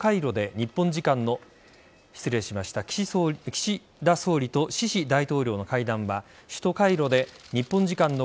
岸田総理とシシ大統領の会談は首都・カイロで日本時間の